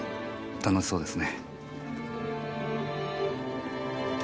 楽しそうですね。